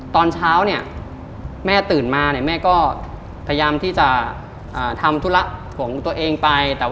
ตอนเช้าเนี่ยแม่ตื่นมาเนี่ยแม่ก็พยายามที่จะทำธุระของตัวเองไป